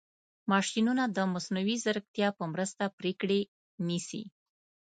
ماشینونه د مصنوعي ځیرکتیا په مرسته پرېکړې نیسي.